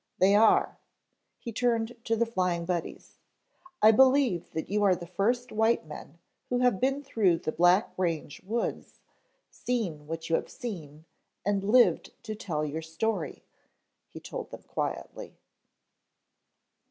"They are." He turned to the Flying Buddies. "I believe that you are the first white men who have been through the Black Range Woods, seen what you have seen, and lived to tell your story," he told them quietly.